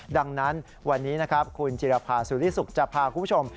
ดังนั้นวันนี้นะครับคุณจิรภาสุริสุขจะพาคุณผู้ชม